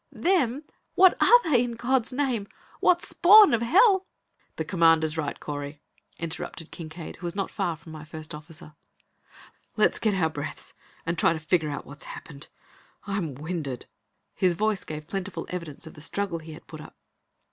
"Then? What are they, in God's name? What spawn of hell " "The Commander is right, Correy," interrupted Kincaide, who was not far from my first officer. "Let's get our breaths and try to figure out what's happened. I'm winded!" His voice gave plentiful evidence of the struggle he had put up.